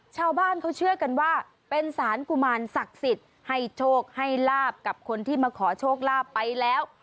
ชาวบ้านเขาเชื่อกันว่าเป็นสารกุมารศักดิ์สิทธิ์ให้โชคให้ลาบกับคนที่มาขอโชคลาภไปแล้ว